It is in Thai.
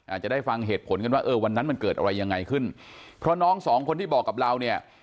อาจจะได้ฟังเหตุผลกันว่าเออวันนั้นมันเกิดอะไรยังไงขึ้นเพราะน้องสองคนที่บอกกับเราเนี่ย